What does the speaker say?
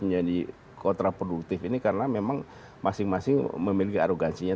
menjadi kontraproduktif ini karena memang masing masing memiliki arogansinya